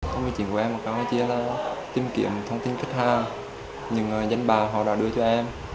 thông tin của em ở campuchia là tìm kiếm thông tin khách hàng những danh bà họ đã đưa cho em